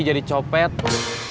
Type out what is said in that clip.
kamu mau mirip montek